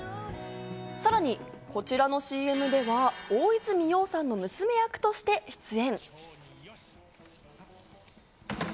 さらに、こちらのＣＭでは大泉洋さんの娘役として出演。